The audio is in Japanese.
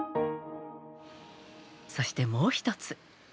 そしてもう一つ。